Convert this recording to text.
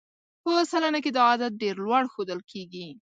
په سلنه کې دا عدد ډېر لوړ ښودل کېږي.